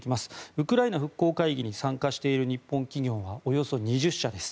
ウクライナ復興会議に参加している日本企業はおよそ２０社です。